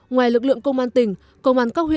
ngoài lực lượng công an tỉnh công an các huyện